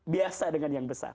biasa dengan yang besar